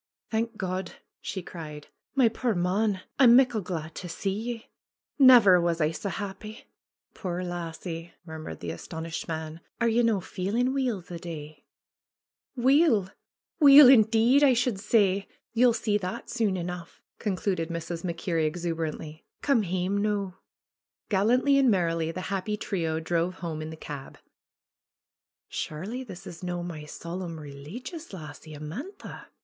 ^^Thank God !" she cried. ^^My puir mon ! I'm muckle glad to see ye. Never was I sae happy !" 'Tuire lassie!" murmured the astonished man. '^Are ye no' feelin' weel the day ?" ^^Weell Weel, indeed, I should say! Ye'll see that soon enough," concluded Mrs. MacKerrie exuberantly. ^^Come hame noo." Gallantly and merrily the happy trio drove home in the cab. Surely this is no' my solemn, releegious lassie, Amantha